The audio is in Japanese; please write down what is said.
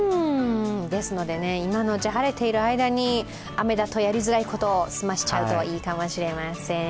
ですので、今のうち晴れている間に雨だとやりづらいことを済ましちゃうといいかもしれません。